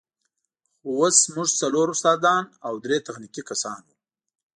خو اوس موږ څلور استادان او درې تخنیکي کسان وو.